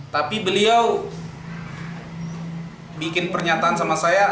tapi beliau bikin pernyataan sama saya